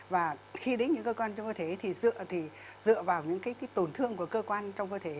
và khi đến những cơ quan trong cơ thể thì dựa vào những tổn thương của cơ quan trong cơ thể